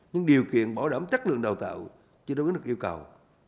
nhưng điều kiện bảo đảm chất lượng đào tạo chưa đối với được yêu cầu